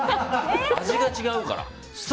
味が違うから。